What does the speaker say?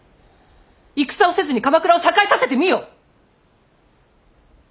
戦をせずに鎌倉を栄えさせてみよ！